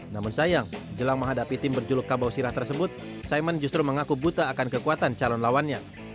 namun sayang jelang menghadapi tim berjuluk kabau sirah tersebut simon justru mengaku buta akan kekuatan calon lawannya